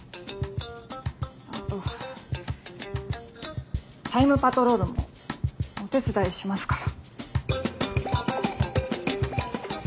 後タイムパトロールもお手伝いしますから。